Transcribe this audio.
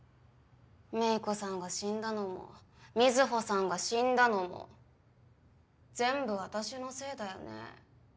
芽衣子さんが死んだのも水帆さんが死んだのも全部私のせいだよね。